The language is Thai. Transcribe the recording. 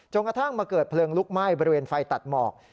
กระทั่งมาเกิดเพลิงลุกไหม้บริเวณไฟตัดหมอก